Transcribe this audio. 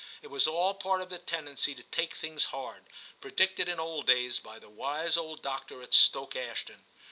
It was all part of the tendency to take things hard, predicted in old days by the wise old doctor at Stoke Ashton.